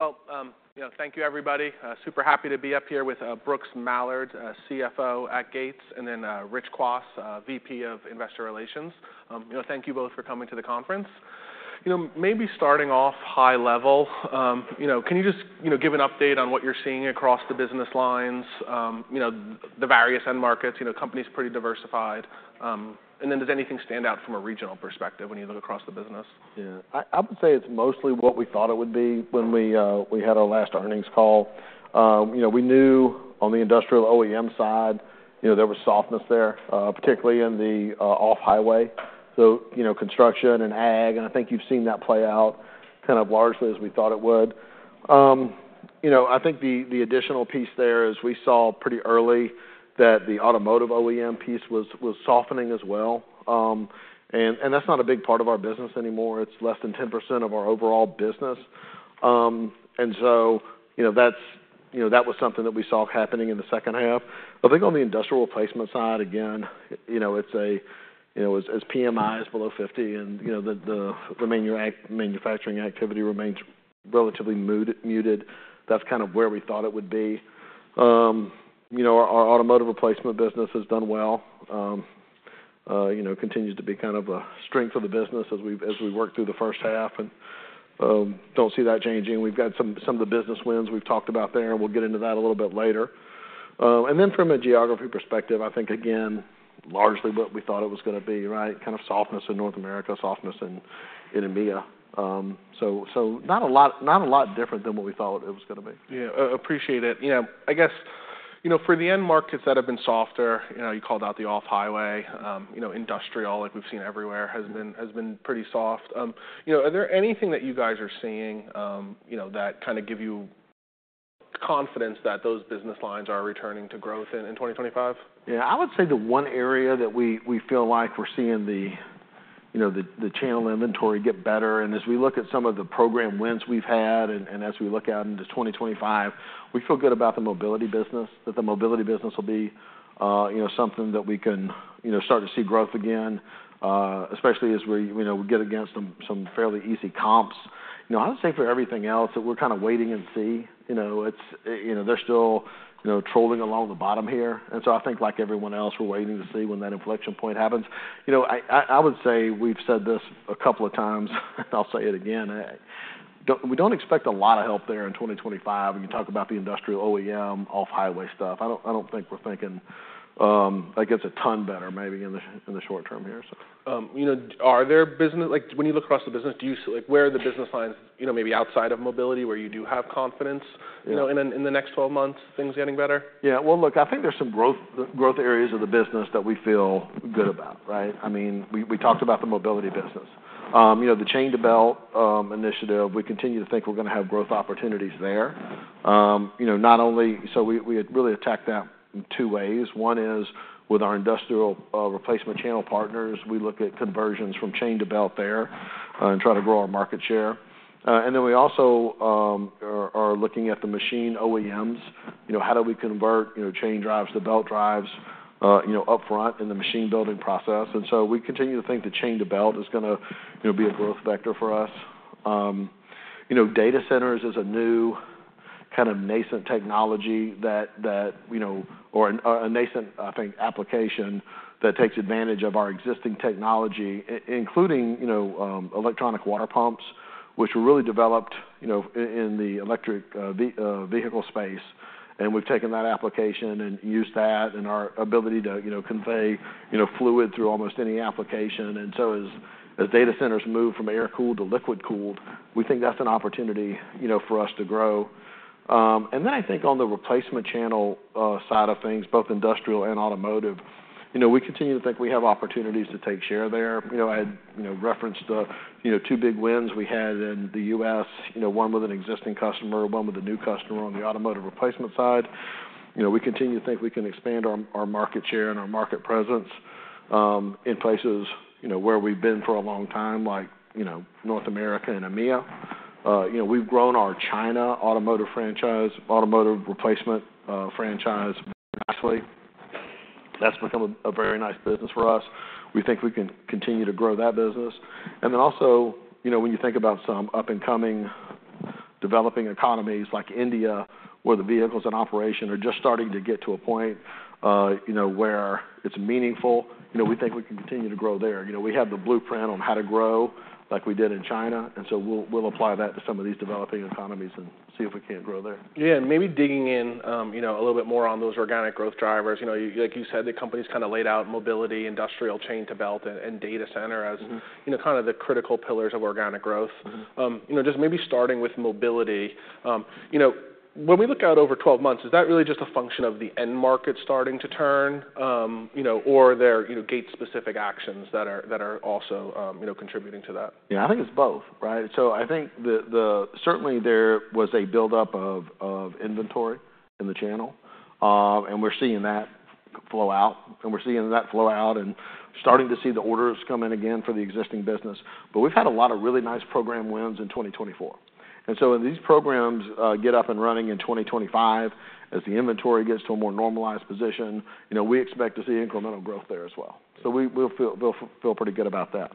You know, thank you, everybody. Super happy to be up here with Brooks Mallard, CFO at Gates, and then Rich Kwas, VP of Investor Relations. You know, thank you both for coming to the conference. You know, maybe starting off high level, you know, can you just, you know, give an update on what you're seeing across the business lines, you know, the various end markets? You know, company's pretty diversified. And then does anything stand out from a regional perspective when you look across the business? Yeah. I would say it's mostly what we thought it would be when we had our last earnings call. You know, we knew on the industrial OEM side, you know, there was softness there, particularly in the off-highway, so, you know, construction and ag, and I think you've seen that play out kind of largely as we thought it would. You know, I think the additional piece there is we saw pretty early that the automotive OEM piece was softening as well, and that's not a big part of our business anymore. It's less than 10% of our overall business, and so, you know, that's... You know, that was something that we saw happening in the second half. I think on the industrial replacement side, again, you know, it's, you know, as PMI is below 50 and, you know, the manufacturing activity remains relatively muted, that's kind of where we thought it would be. You know, our automotive replacement business has done well. You know, continues to be kind of a strength of the business as we work through the first half, and don't see that changing. We've got some of the business wins we've talked about there, and we'll get into that a little bit later, and then from a geography perspective, I think, again, largely what we thought it was gonna be, right? Kind of softness in North America, softness in EMEA, so not a lot different than what we thought it was gonna be. Yeah, appreciate it. You know, I guess, you know, for the end markets that have been softer, you know, you called out the off-highway, you know, industrial, like we've seen everywhere, has been- Mm-hmm. -has been pretty soft. You know, are there anything that you guys are seeing, you know, that kind of give you confidence that those business lines are returning to growth in 2025? Yeah. I would say the one area that we feel like we're seeing the channel inventory get better, and as we look at some of the program wins we've had, and as we look out into 2025, we feel good about the mobility business, that the mobility business will be, you know, something that we can, you know, start to see growth again, especially as we, you know, we get against some fairly easy comps. You know, I would say for everything else, that we're kind of waiting and see. You know, it's, you know, they're still, you know, trolling along the bottom here, and so I think, like everyone else, we're waiting to see when that inflection point happens. You know, I would say we've said this a couple of times, and I'll say it again, we don't expect a lot of help there in 2025. When you talk about the industrial OEM, off-highway stuff, I don't think we're thinking that gets a ton better maybe in the short term here, so. You know, like, when you look across the business, do you see, like, where are the business lines, you know, maybe outside of mobility, where you do have confidence- Yeah... you know, in the next twelve months, things getting better? Yeah. Well, look, I think there's some growth, growth areas of the business that we feel good about, right? I mean, we talked about the mobility business. You know, the Chain-to-Belt initiative, we continue to think we're gonna have growth opportunities there. You know, not only. So we had really attacked that in two ways. One is, with our industrial replacement channel partners, we look at conversions from Chain-to-Belt there, and try to grow our market share. And then we also are looking at the machine OEMs. You know, how do we convert chain drives to belt drives upfront in the machine building process? And so we continue to think the Chain-to-Belt is gonna, you know, be a growth vector for us. You know, data centers is a new kind of nascent technology that you know or a nascent, I think, application that takes advantage of our existing technology, including, you know, electronic water pumps, which were really developed, you know, in the electric vehicle space, and we've taken that application and used that in our ability to, you know, convey, you know, fluid through almost any application, and so as data centers move from air-cooled to liquid-cooled, we think that's an opportunity, you know, for us to grow, and then I think on the replacement channel side of things, both industrial and automotive, you know, we continue to think we have opportunities to take share there. You know, I had referenced the two big wins we had in the U.S., you know, one with an existing customer, one with a new customer on the automotive replacement side. You know, we continue to think we can expand our market share and our market presence in places, you know, where we've been for a long time, like North America and EMEA. You know, we've grown our China automotive franchise, automotive replacement franchise, nicely. That's become a very nice business for us. We think we can continue to grow that business. And then also, you know, when you think about some up-and-coming developing economies like India, where the vehicles in operation are just starting to get to a point, you know, where it's meaningful, you know, we think we can continue to grow there. You know, we have the blueprint on how to grow, like we did in China, and so we'll apply that to some of these developing economies and see if we can't grow there. Yeah, and maybe digging in, you know, a little bit more on those organic growth drivers. You know, like you said, the company's kind of laid out mobility, industrial Chain-to-Belt, and data center as- Mm-hmm... you know, kind of the critical pillars of organic growth. Mm-hmm. You know, just maybe starting with mobility, you know, when we look out over twelve months, is that really just a function of the end market starting to turn, you know, or are there, you know, Gates-specific actions that are also, you know, contributing to that? Yeah, I think it's both, right? So I think the certainly, there was a buildup of inventory in the channel, and we're seeing that flow out and starting to see the orders come in again for the existing business. But we've had a lot of really nice program wins in twenty twenty-four. And so when these programs get up and running in twenty twenty-five, as the inventory gets to a more normalized position, you know, we expect to see incremental growth there as well. So we'll feel pretty good about that.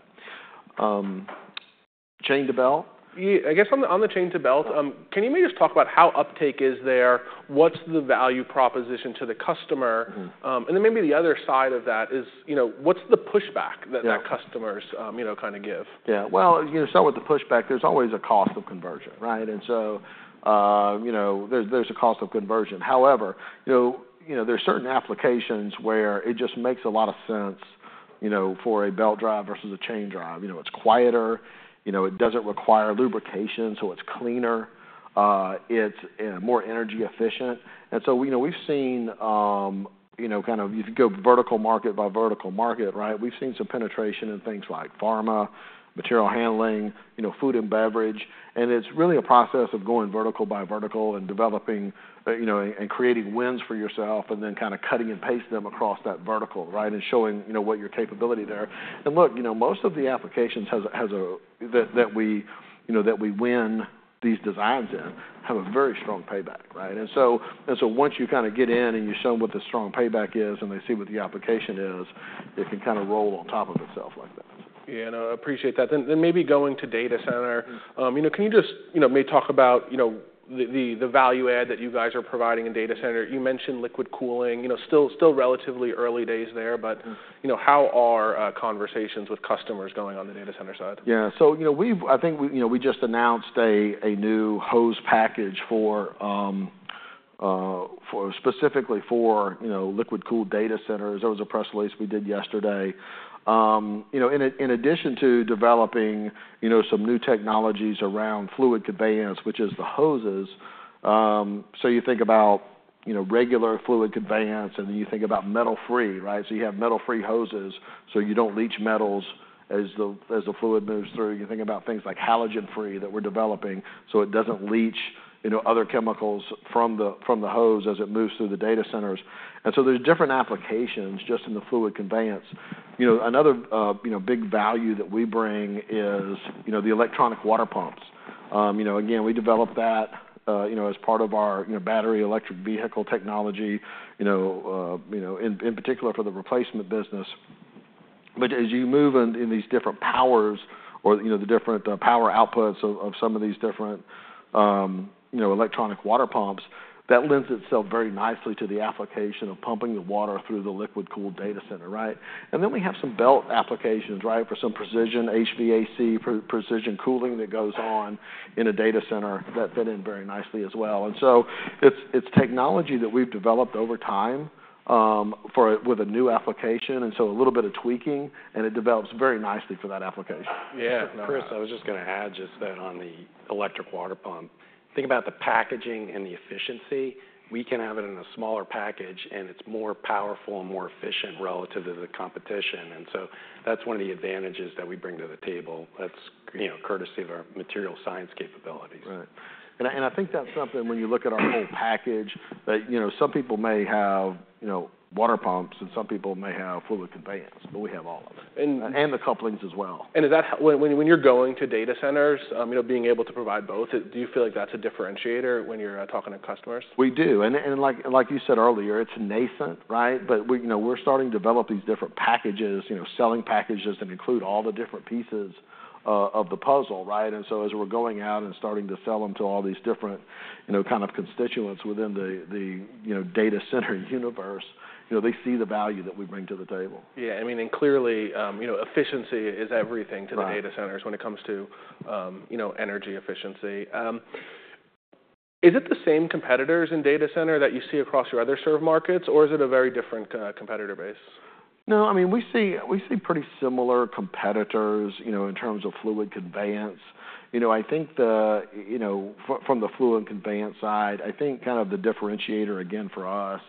Chain-to-Belt? Yeah, I guess on the Chain-to-Belt, can you maybe just talk about how uptake is there? What's the value proposition to the customer? Mm-hmm. And then maybe the other side of that is, you know, what's the pushback? Yeah... that customers, you know, kind of give? Yeah. Well, you know, start with the pushback, there's always a cost of conversion, right? And so, you know, there's a cost of conversion. However, you know, there are certain applications where it just makes a lot of sense, you know, for a belt drive versus a chain drive. You know, it's quieter, you know, it doesn't require lubrication, so it's cleaner, it's more energy efficient. And so, you know, we've seen, you know, if you go vertical market by vertical market, right, we've seen some penetration in things like pharma, material handling, you know, food and beverage, and it's really a process of going vertical by vertical and developing, you know, and creating wins for yourself, and then kind of cutting and pasting them across that vertical, right? And showing, you know, what your capability there. And look, you know, most of the applications that we win these designs in have a very strong payback, right? And so once you kind of get in and you show them what the strong payback is, and they see what the application is, it can kind of roll on top of itself like that. Yeah, and I appreciate that. Then, maybe going to data center. Mm-hmm. You know, can you just, you know, maybe talk about, you know, the value add that you guys are providing in data center? You mentioned liquid cooling, you know, still relatively early days there, but- Mm-hmm... you know, how are conversations with customers going on the data center side? Yeah. So, you know, we've-- I think we, you know, we just announced a new hose package for specifically for, you know, liquid cooled data centers. There was a press release we did yesterday. You know, in addition to developing, you know, some new technologies around fluid conveyance, which is the hoses, so you think about, you know, regular fluid conveyance, and then you think about metal-free, right? So you have metal-free hoses, so you don't leach metals as the fluid moves through. You think about things like halogen-free that we're developing, so it doesn't leach, you know, other chemicals from the hose as it moves through the data centers. And so there's different applications just in the fluid conveyance. You know, another big value that we bring is, you know, the electronic water pumps. You know, again, we developed that as part of our you know battery electric vehicle technology you know in particular for the replacement business. But as you move in these different powers or you know the different power outputs of some of these different electronic water pumps, that lends itself very nicely to the application of pumping the water through the liquid-cooled data center, right? And then we have some belt applications, right, for some precision HVAC precision cooling that goes on in a data center that fit in very nicely as well. And so it's technology that we've developed over time for it with a new application, and so a little bit of tweaking, and it develops very nicely for that application. Yeah. Chris, I was just gonna add just that on the electronic water pump. Think about the packaging and the efficiency. We can have it in a smaller package, and it's more powerful and more efficient relative to the competition. And so that's one of the advantages that we bring to the table. That's, you know, courtesy of our material science capabilities. Right. I think that's something, when you look at our whole package, that, you know, some people may have, you know, water pumps, and some people may have fluid conveyance, but we have all of them- And- and the couplings as well. When you're going to data centers, you know, being able to provide both, do you feel like that's a differentiator when you're talking to customers? We do. And, like you said earlier, it's nascent, right? But we, you know, we're starting to develop these different packages, you know, selling packages that include all the different pieces of the puzzle, right? And so as we're going out and starting to sell them to all these different, you know, kind of constituents within the, you know, data center universe, you know, they see the value that we bring to the table. Yeah, I mean, and clearly, you know, efficiency is everything- Right... to the data centers when it comes to, you know, energy efficiency. Is it the same competitors in data center that you see across your other served markets, or is it a very different competitor base? No, I mean, we see, we see pretty similar competitors, you know, in terms of fluid conveyance. You know, I think the... You know, from the fluid conveyance side, I think kind of the differentiator, again, for us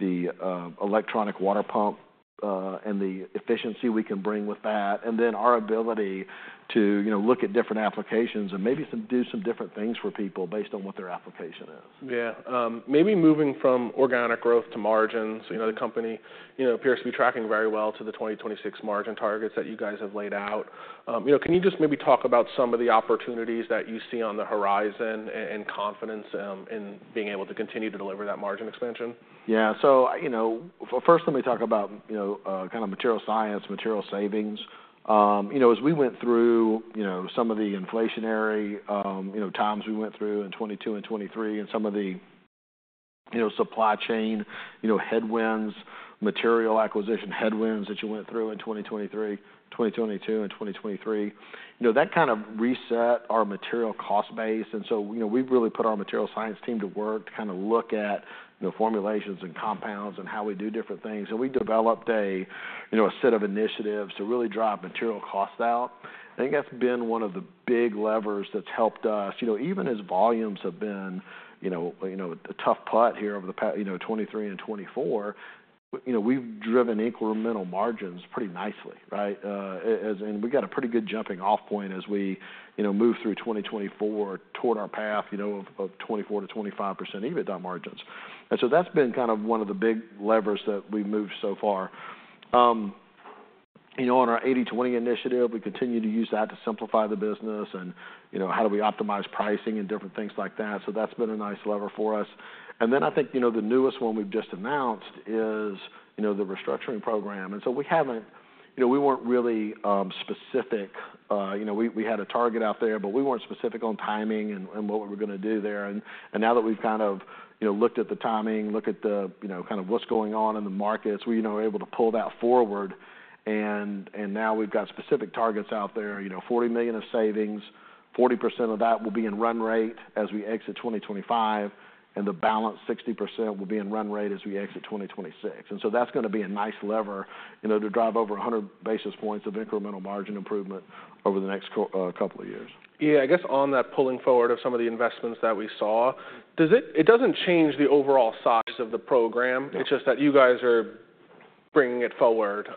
is the electronic water pump, and the efficiency we can bring with that, and then our ability to, you know, look at different applications and maybe do some different things for people based on what their application is. Yeah. Maybe moving from organic growth to margins. You know, the company, you know, appears to be tracking very well to the 2026 margin targets that you guys have laid out. You know, can you just maybe talk about some of the opportunities that you see on the horizon and confidence in being able to continue to deliver that margin expansion? Yeah. You know, first, let me talk about, you know, kind of material science, material savings. You know, as we went through, you know, some of the inflationary, you know, times we went through in 2022 and 2023, and some of the, you know, supply chain, you know, headwinds, material acquisition headwinds that you went through in 2022 and 2023, you know, that kind of reset our material cost base, and so, you know, we've really put our material science team to work to kind of look at, you know, formulations and compounds and how we do different things. We developed a, you know, a set of initiatives to really drive material costs out. I think that's been one of the big levers that's helped us. You know, even as volumes have been, you know, you know, a tough putt here over the you know, 2023 and 2024, you know, we've driven incremental margins pretty nicely, right? And we've got a pretty good jumping-off point as we, you know, move through 2024 toward our path, you know, of 24%-25% EBITDA margins. And so that's been kind of one of the big levers that we've moved so far. You know, on our 80/20 initiative, we continue to use that to simplify the business and, you know, how do we optimize pricing and different things like that. So that's been a nice lever for us. And then I think, you know, the newest one we've just announced is, you know, the restructuring program. And so we haven't-... You know, we weren't really specific, you know, we had a target out there, but we weren't specific on timing and what we were gonna do there. Now that we've kind of you know, looked at the timing, looked at you know, kind of what's going on in the markets, we you know, are able to pull that forward, and now we've got specific targets out there. You know, $40 million of savings, 40% of that will be in run rate as we exit 2025, and the balance, 60%, will be in run rate as we exit 2026. That's gonna be a nice lever, you know, to drive over a hundred basis points of incremental margin improvement over the next couple of years. Yeah, I guess on that pulling forward of some of the investments that we saw, it doesn't change the overall size of the program? No. It's just that you guys are bringing it forward.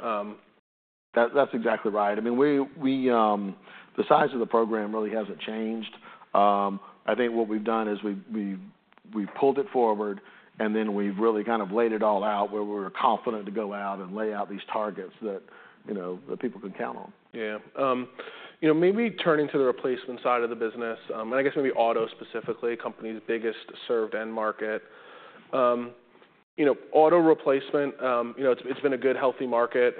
That, that's exactly right. I mean, the size of the program really hasn't changed. I think what we've done is we've pulled it forward, and then we've really kind of laid it all out where we're confident to go out and lay out these targets that, you know, that people can count on. Yeah. You know, maybe turning to the replacement side of the business, and I guess maybe auto specifically, company's biggest served end market. You know, auto replacement, you know, it's been a good, healthy market.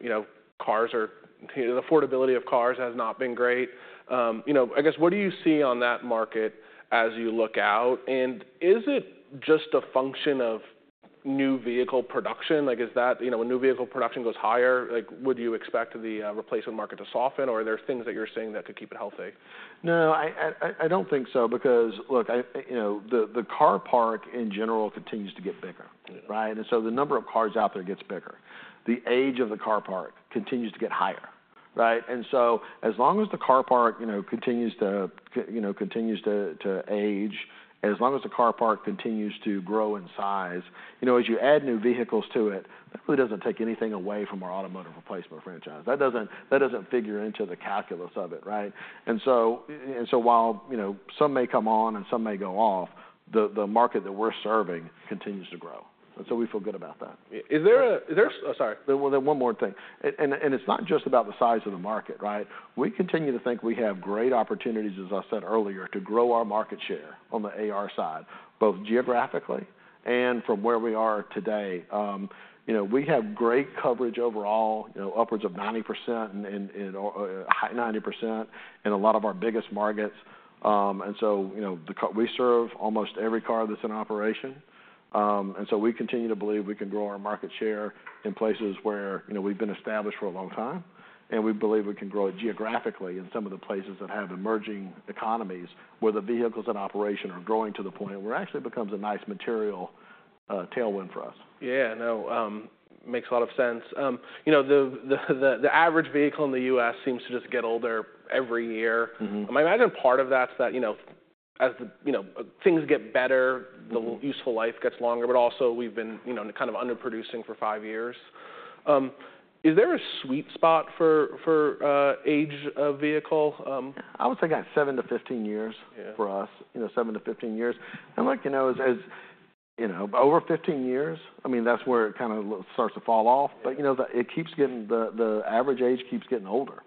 You know, cars are. You know, the affordability of cars has not been great. You know, I guess, what do you see on that market as you look out? And is it just a function of new vehicle production? Like, is that... You know, when new vehicle production goes higher, like, would you expect the replacement market to soften, or are there things that you're seeing that could keep it healthy? No, I don't think so because, look, you know, the car park in general continues to get bigger, right? Mm-hmm. And so the number of cars out there gets bigger. The age of the car park continues to get higher, right? And so as long as the car park, you know, continues to age, and as long as the car park continues to grow in size, you know, as you add new vehicles to it, it really doesn't take anything away from our automotive replacement franchise. That doesn't figure into the calculus of it, right? And so while, you know, some may come on and some may go off, the market that we're serving continues to grow, and so we feel good about that. Is there... Sorry, well, then one more thing, and it's not just about the size of the market, right? We continue to think we have great opportunities, as I said earlier, to grow our market share on the AR side, both geographically and from where we are today. You know, we have great coverage overall, you know, upwards of 90% and high 90% in a lot of our biggest markets, and so, you know, we serve almost every car that's in operation. And so we continue to believe we can grow our market share in places where, you know, we've been established for a long time, and we believe we can grow it geographically in some of the places that have emerging economies, where the vehicles in operation are growing to the point where it actually becomes a nice material tailwind for us. Yeah, I know. Makes a lot of sense. You know, the average vehicle in the U.S. seems to just get older every year. Mm-hmm. I imagine part of that is that, you know, as, you know, things get better- Mm-hmm... the useful life gets longer, but also we've been, you know, kind of underproducing for five years. Is there a sweet spot for age of vehicle? I would say that's seven to 15 years- Yeah... for us, you know, seven to fifteen years. And like, you know, as, you know, over fifteen years, I mean, that's where it kind of starts to fall off. Yeah. But, you know, the average age keeps getting older,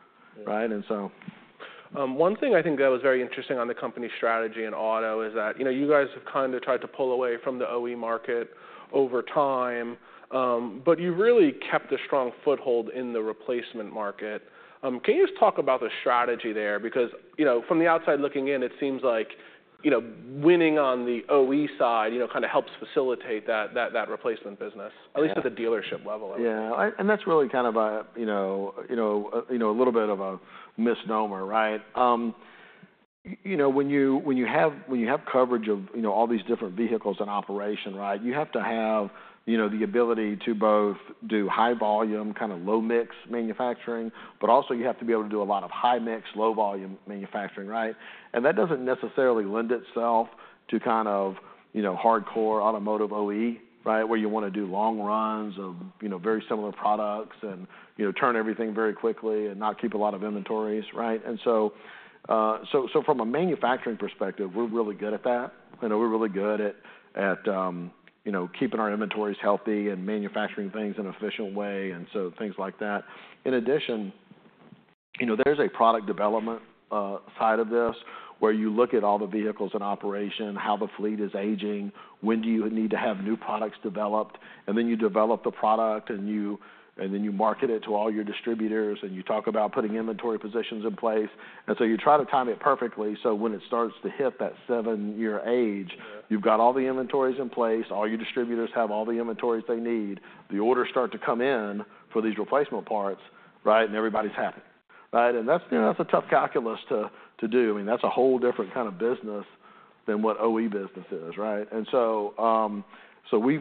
right? Yeah. And so. One thing I think that was very interesting on the company's strategy in auto is that, you know, you guys have kind of tried to pull away from the OE market over time, but you really kept a strong foothold in the replacement market. Can you just talk about the strategy there? Because, you know, from the outside looking in, it seems like, you know, winning on the OE side, you know, kind of helps facilitate that replacement business? Yeah... at least at the dealership level. Yeah. And that's really kind of a, you know, a little bit of a misnomer, right? You know, when you have coverage of, you know, all these different vehicles in operation, right? You have to have, you know, the ability to both do high volume, kind of low-mix manufacturing, but also you have to be able to do a lot of high-mix, low-volume manufacturing, right? And that doesn't necessarily lend itself to kind of, you know, hardcore automotive OE, right? Where you wanna do long runs of, you know, very similar products and, you know, turn everything very quickly and not keep a lot of inventories, right? And so from a manufacturing perspective, we're really good at that. You know, we're really good at you know, keeping our inventories healthy and manufacturing things in an efficient way, and so things like that. In addition, you know, there's a product development side of this, where you look at all the vehicles in operation, how the fleet is aging, when do you need to have new products developed? And then you develop the product, and then you market it to all your distributors, and you talk about putting inventory positions in place. And so you try to time it perfectly, so when it starts to hit that seven-year age- Yeah... you've got all the inventories in place, all your distributors have all the inventories they need, the orders start to come in for these replacement parts, right? And everybody's happy. Right? And that's, you know, that's a tough calculus to do. I mean, that's a whole different kind of business than what OE business is, right? And so we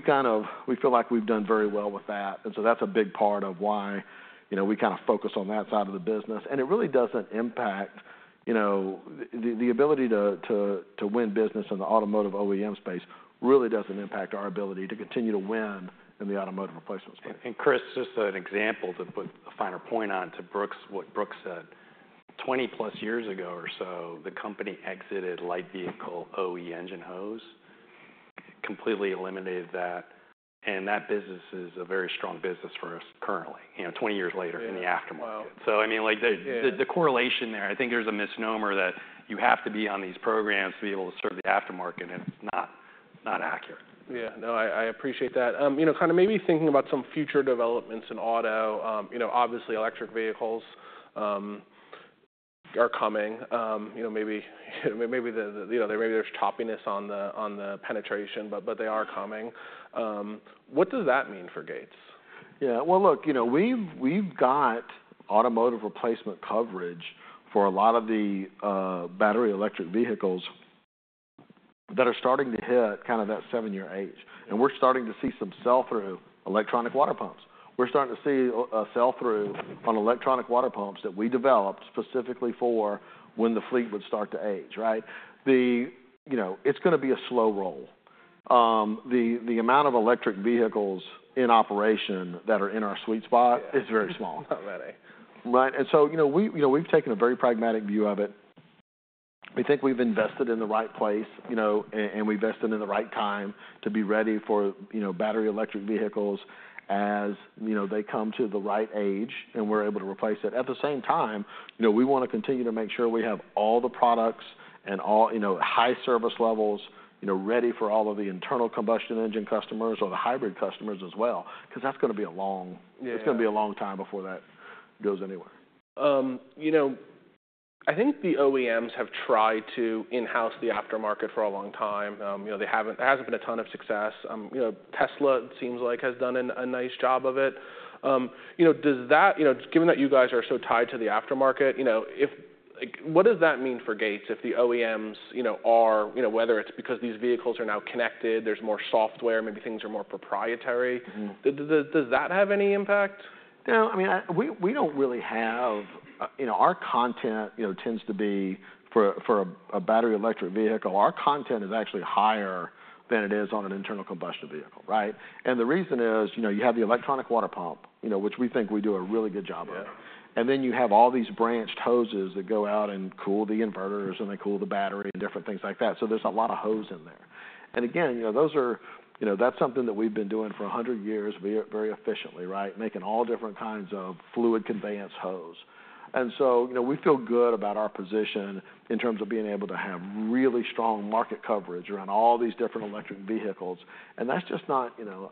feel like we've done very well with that, and so that's a big part of why, you know, we kind of focus on that side of the business. And it really doesn't impact, you know... The ability to win business in the automotive OEM space really doesn't impact our ability to continue to win in the automotive replacement space. Chris, just an example to put a finer point on to Brooks, what Brooks said, twenty plus years ago or so, the company exited light vehicle OE engine hose, completely eliminated that, and that business is a very strong business for us currently, you know, twenty years later in the after-... So, I mean, like, the- Yeah The correlation there, I think there's a misnomer that you have to be on these programs to be able to serve the aftermarket, and it's not accurate. Yeah. No, I appreciate that. You know, kind of maybe thinking about some future developments in auto, you know, obviously, electric vehicles are coming. You know, maybe there's toppiness on the penetration, but they are coming. What does that mean for Gates? Yeah. Well, look, you know, we've got automotive replacement coverage for a lot of the battery electric vehicles that are starting to hit kind of that seven-year age, and we're starting to see some sell-through electronic water pumps. We're starting to see a sell-through on electronic water pumps that we developed specifically for when the fleet would start to age, right? You know, it's gonna be a slow roll. The amount of electric vehicles in operation that are in our sweet spot- Yeah... is very small. Not ready. Right. And so, you know, we, you know, we've taken a very pragmatic view of it. We think we've invested in the right place, you know, and we invested in the right time to be ready for, you know, battery electric vehicles, as, you know, they come to the right age, and we're able to replace it. At the same time, you know, we wanna continue to make sure we have all the products and all, you know, high service levels, you know, ready for all of the internal combustion engine customers or the hybrid customers as well, 'cause that's gonna be a long- Yeah... it's gonna be a long time before that goes anywhere. You know, I think the OEMs have tried to in-house the aftermarket for a long time. You know, they haven't. There hasn't been a ton of success. You know, Tesla, it seems like, has done a nice job of it. You know, does that... You know, given that you guys are so tied to the aftermarket, you know, if, like, what does that mean for Gates, if the OEMs, you know, are, you know, whether it's because these vehicles are now connected, there's more software, maybe things are more proprietary? Mm-hmm. Does that have any impact? You know, I mean, our content, you know, tends to be for a battery electric vehicle. Our content is actually higher than it is on an internal combustion vehicle, right? And the reason is, you know, you have the electronic water pump, you know, which we think we do a really good job of. Yeah. And then you have all these branched hoses that go out and cool the inverters, and they cool the battery and different things like that, so there's a lot of hose in there. And again, you know, those are... You know, that's something that we've been doing for a hundred years very efficiently, right? Making all different kinds of fluid conveyance hose. And so, you know, we feel good about our position in terms of being able to have really strong market coverage around all these different electric vehicles. And that's just not, you know...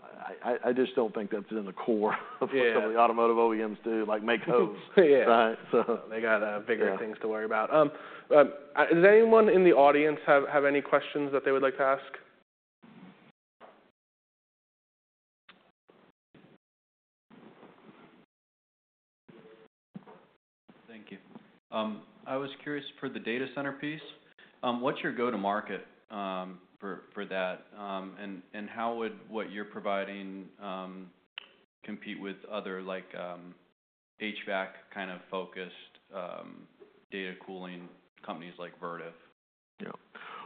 I just don't think that's in the core - Yeah... of what some of the automotive OEMs do, like make hose. Yeah. Right? So. They got, Yeah... bigger things to worry about. Does anyone in the audience have any questions that they would like to ask? Thank you. I was curious, for the data center piece, what's your go-to-market for that, and how would what you're providing compete with other, like, HVAC kind of focused, data cooling companies like Vertiv? Yeah.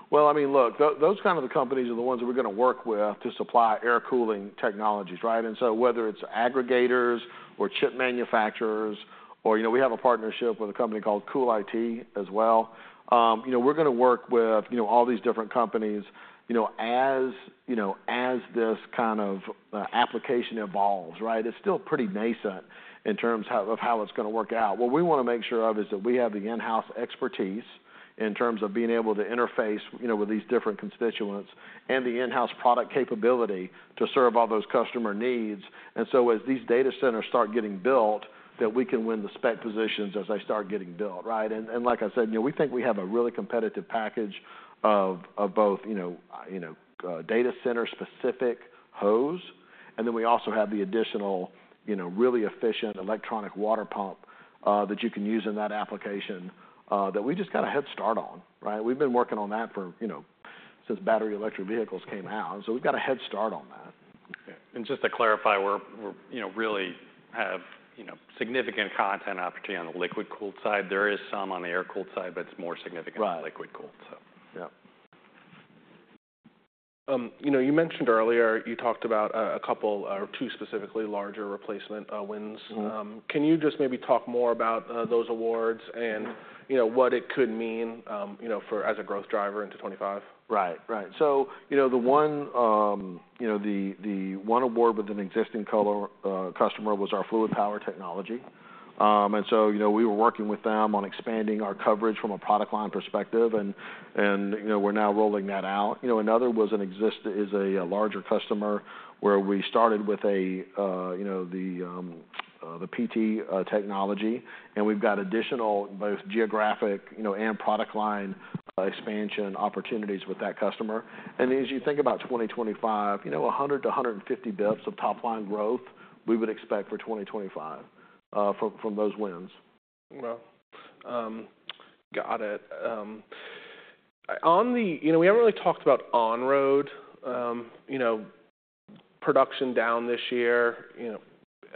Well, I mean, look, those kind of the companies are the ones that we're gonna work with to supply air cooling technologies, right? And so whether it's aggregators, or chip manufacturers, or, you know, we have a partnership with a company called CoolIT as well. You know, we're gonna work with, you know, all these different companies, you know, as, you know, as this kind of application evolves, right? It's still pretty nascent in terms of how it's gonna work out. What we wanna make sure of is that we have the in-house expertise in terms of being able to interface, you know, with these different constituents, and the in-house product capability to serve all those customer needs, and so as these data centers start getting built, that we can win the spec positions as they start getting built, right? Like I said, you know, we think we have a really competitive package of both, you know, data center-specific hose, and then we also have the additional, you know, really efficient electronic water pump that you can use in that application that we just got a head start on, right? We've been working on that for, you know, since battery electric vehicles came out, so we've got a head start on that. Yeah, and just to clarify, we're, you know, really have, you know, significant content opportunity on the liquid-cooled side. There is some on the air-cooled side, but it's more significant. Right... on liquid cooled, so. Yeah. You know, you mentioned earlier, you talked about a couple or two specifically larger replacement wins. Mm-hmm. Can you just maybe talk more about those awards and, you know, what it could mean, you know, for, as a growth driver into 2025? Right. So, you know, the one award with an existing core customer was our fluid power technology. And so, you know, we were working with them on expanding our coverage from a product line perspective, and we're now rolling that out. You know, another is a larger customer, where we started with the PT technology, and we've got additional, both geographic and product line expansion opportunities with that customer. And as you think about 2025, you know, 100 to 150 basis points of top-line growth we would expect for 2025 from those wins. Got it. You know, we haven't really talked about on-road production down this year. You know,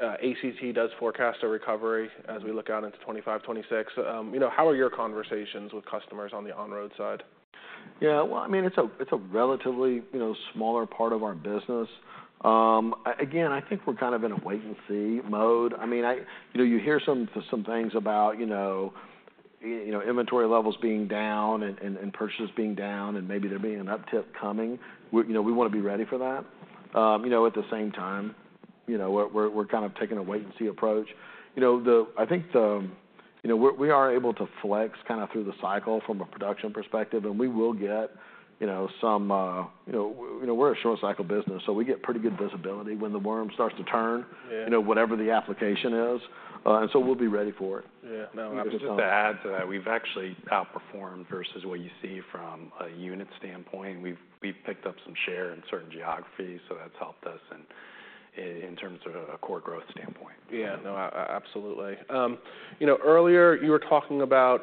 ACT does forecast a recovery as we look out into 2025, 2026. You know, how are your conversations with customers on the on-road side? Yeah. Well, I mean, it's a relatively, you know, smaller part of our business. Again, I think we're kind of in a wait-and-see mode. I mean, I... You know, you hear some things about, you know, inventory levels being down and purchases being down, and maybe there being an uptick coming. We, you know, we want to be ready for that. You know, at the same time, you know, we're kind of taking a wait-and-see approach. You know, I think the, you know, we're, we are able to flex kind of through the cycle from a production perspective, and we will get, you know, some, you know, we're a short cycle business, so we get pretty good visibility when the worm starts to turn. Yeah. -you know, whatever the application is, and so we'll be ready for it. Yeah. No, just to add to that, we've actually outperformed versus what you see from a unit standpoint. We've picked up some share in certain geographies, so that's helped us in terms of a core growth standpoint. Yeah. No, absolutely. You know, earlier, you were talking about,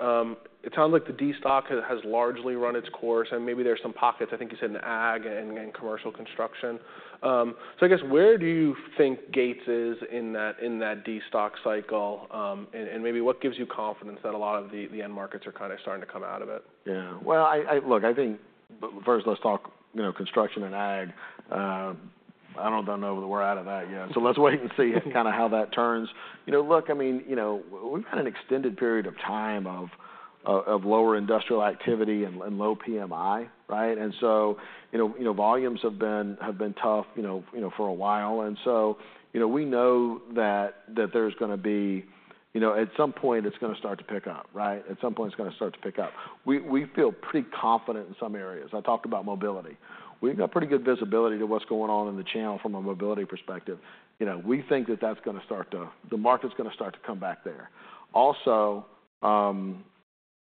it sounds like the destock has largely run its course, and maybe there are some pockets, I think you said in ag and commercial construction. So I guess, where do you think Gates is in that destock cycle? And maybe what gives you confidence that a lot of the end markets are kind of starting to come out of it? Yeah. Well, look, I think, first, let's talk, you know, construction and ag. I don't know whether we're out of that yet, so let's wait and see kind of how that turns. You know, look, I mean, you know, we've had an extended period of time of lower industrial activity and low PMI, right? And so, you know, volumes have been tough, you know, for a while. And so, you know, we know that there's gonna be... You know, at some point, it's gonna start to pick up, right? At some point, it's gonna start to pick up. We feel pretty confident in some areas. I talked about mobility. We've got pretty good visibility to what's going on in the channel from a mobility perspective. You know, we think that that's gonna start to the market's gonna start to come back there. Also,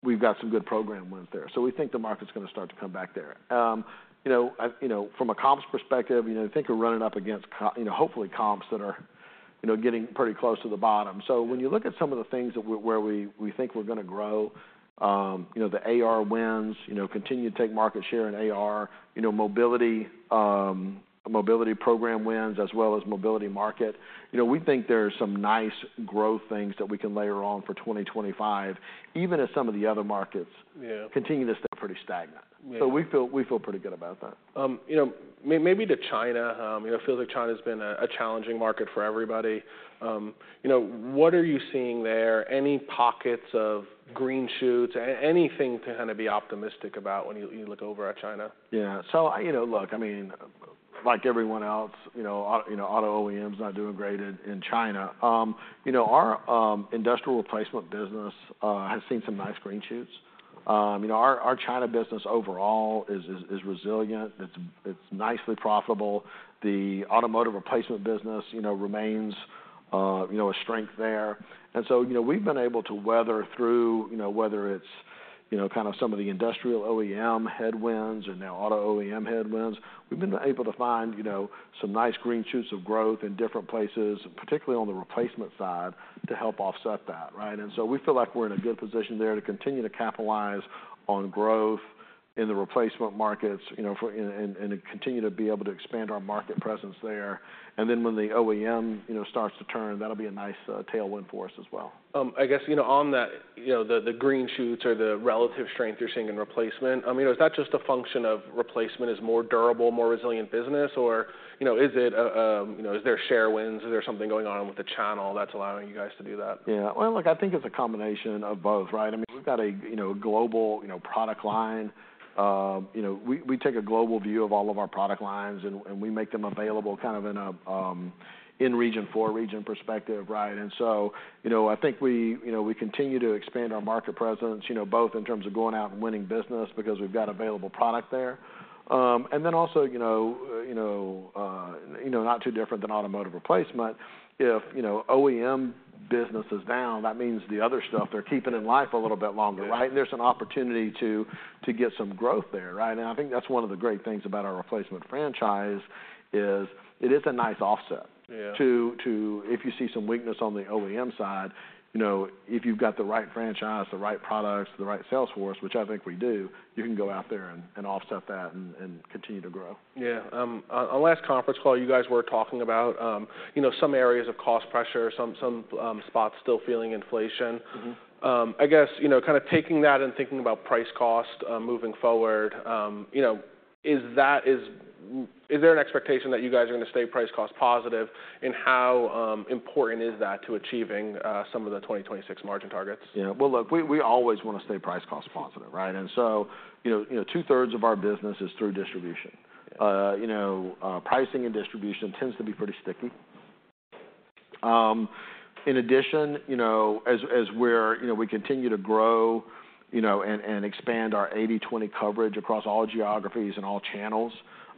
we've got some good program wins there, so we think the market's gonna start to come back there. You know, from a comps perspective, you know, I think we're running up against comps that are, you know, getting pretty close to the bottom. So when you look at some of the things that we think we're gonna grow, you know, the AR wins, you know, continue to take market share in AR, you know, mobility, mobility program wins, as well as mobility market. You know, we think there are some nice growth things that we can layer on for twenty twenty-five, even if some of the other markets- Yeah Continue to stay pretty stagnant. Yeah. So we feel pretty good about that. You know, maybe to China, you know, feels like China's been a challenging market for everybody. You know, what are you seeing there? Any pockets of green shoots, anything to kind of be optimistic about when you look over at China? Yeah. So, you know, look, I mean, like everyone else, you know, auto, you know, auto OEMs not doing great in China. You know, our industrial replacement business has seen some nice green shoots. You know, our China business overall is resilient. It's nicely profitable. The automotive replacement business, you know, remains, you know, a strength there. And so, you know, we've been able to weather through, you know, whether it's, you know, kind of some of the industrial OEM headwinds or now auto OEM headwinds, we've been able to find, you know, some nice green shoots of growth in different places, particularly on the replacement side, to help offset that, right? And so we feel like we're in a good position there to continue to capitalize on growth in the replacement markets, you know, for... And continue to be able to expand our market presence there. And then when the OEM, you know, starts to turn, that'll be a nice tailwind for us as well. I guess, you know, on that, you know, the green shoots or the relative strength you're seeing in replacement, I mean, is that just a function of replacement is more durable, more resilient business? Or, you know, is it, you know, is there share wins? Is there something going on with the channel that's allowing you guys to do that? Yeah. Well, look, I think it's a combination of both, right? I mean, we've got a, you know, global, you know, product line. You know, we, we take a global view of all of our product lines, and, and we make them available kind of in a, in-region, for-region perspective, right? And so, you know, I think we, you know, we continue to expand our market presence, you know, both in terms of going out and winning business because we've got available product there. And then also, you know, you know, you know, not too different than automotive replacement, if, you know, OEM business is down, that means the other stuff, they're keeping in life a little bit longer- Yeah... right? There's an opportunity to get some growth there, right? And I think that's one of the great things about our replacement franchise, is it is a nice offset- Yeah... to if you see some weakness on the OEM side, you know, if you've got the right franchise, the right products, the right sales force, which I think we do, you can go out there and offset that and continue to grow. Yeah. On last conference call, you guys were talking about, you know, some areas of cost pressure, some spots still feeling inflation. Mm-hmm. I guess, you know, kind of taking that and thinking about price cost moving forward, you know, is there an expectation that you guys are gonna stay price-cost positive? And how important is that to achieving some of the 2026 margin targets? Yeah. Well, look, we always want to stay price-cost positive, right? And so, you know, two-thirds of our business is through distribution. Yeah. You know, pricing and distribution tends to be pretty sticky. In addition, you know, as we're, you know, we continue to grow, you know, and expand our 80/20 coverage across all geographies and all channels,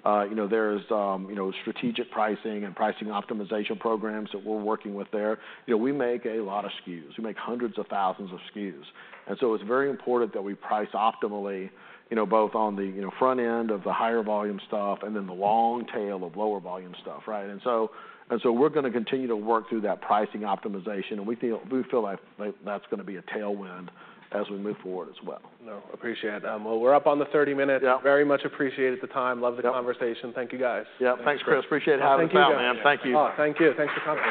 you know, there's, you know, strategic pricing and pricing optimization programs that we're working with there. You know, we make a lot of SKUs. We make hundreds of thousands of SKUs, and so it's very important that we price optimally, you know, both on the, you know, front end of the higher volume stuff and then the long tail of lower volume stuff, right? And so we're gonna continue to work through that pricing optimization, and we feel like that's gonna be a tailwind as we move forward as well. No, appreciate it. Well, we're up on the 30-minute. Yeah. Very much appreciated the time. Yeah. Love the conversation. Thank you, guys. Yeah. Thanks, Chris. Appreciate having you out, man. Thank you. Thank you. Thanks for coming.